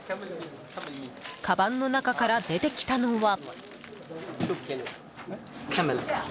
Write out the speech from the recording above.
かばんの中から出てきたのは。